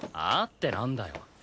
ってなんだよ。